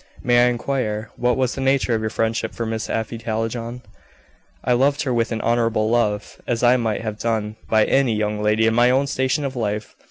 "May I inquire what was the nature of your friendship for Miss Afy Hallijohn?" "I loved her with an honorable love, as I might have done by any young lady in my own station of life.